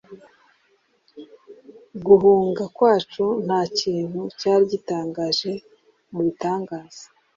Guhunga kwacu ntakintu cyari gitangaje mubitangaza.